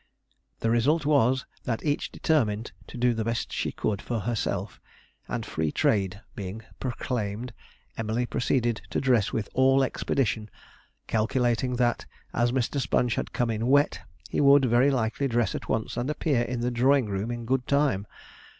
The result was, that each determined to do the best she could for herself; and free trade being proclaimed, Emily proceeded to dress with all expedition, calculating that, as Mr. Sponge had come in wet, he would, very likely dress at once and appear in the drawing room in good time.